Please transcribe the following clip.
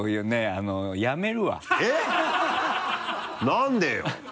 何でよ？